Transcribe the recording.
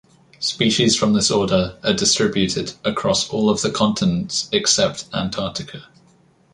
Species from this order are distributed across all of the continents except Antarctica.